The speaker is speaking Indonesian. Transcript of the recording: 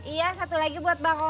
iya satu lagi buat mbak rojak